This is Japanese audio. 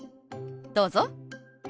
どうぞ。